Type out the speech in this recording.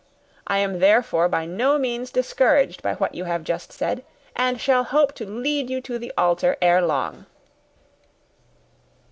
I am, therefore, by no means discouraged by what you have just said, and shall hope to lead you to the altar ere long."